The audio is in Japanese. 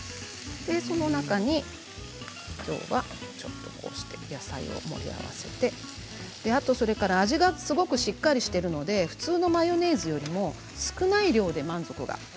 その中にきょうはこうした野菜を組み合わせてあと味がすごくしっかりしているので普通のマヨネーズよりも少ない量で満足が。